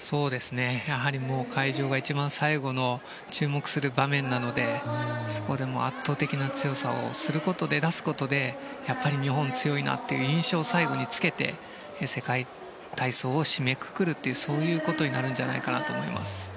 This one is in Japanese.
やはり会場が一番最後の注目する場面なのでそこで圧倒的な強さを出すことで日本、強いなという印象を最後につけて世界体操を締めくくるということになると思います。